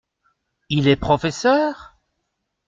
Il est professeur ?